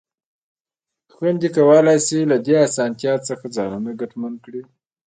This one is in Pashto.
خویندې کولای شي له دې اسانتیا څخه ځانونه ګټمن کړي.